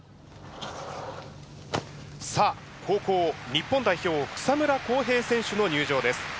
さあ後攻日本代表草村航平選手の入場です。